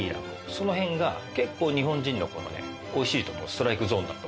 その辺が結構日本人のおいしいと思うストライクゾーンだと思うんです。